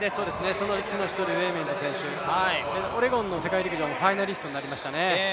そのうちの１人、ウェイメント選手、オレゴンの世界陸上のファイナリストになりましたね。